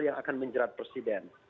yang akan menjerat presiden